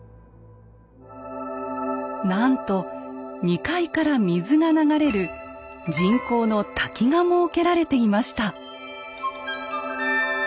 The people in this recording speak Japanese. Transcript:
なんと２階から水が流れる人工の滝が設けられていました。